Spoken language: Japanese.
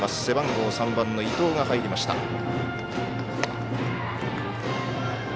背番号３番の伊藤が入りました。